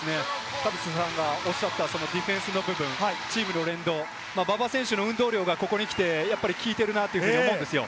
田臥さんがおっしゃったディフェンスの部分、チームの連動、馬場選手の運動量が、ここにきて、効いているなと思うんですよ。